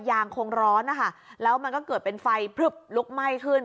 ยางคงร้อนแล้วมันก็เกิดเป็นไฟลุกไหม้ขึ้น